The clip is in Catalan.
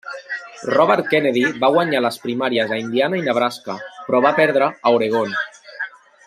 Robert Kennedy va guanyar les primàries a Indiana i Nebraska però va perdre a Oregon.